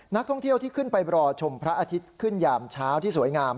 นักท่องเที่ยวที่ขึ้นไปรอชมพระอาทิตย์ขึ้นยามเช้าที่สวยงาม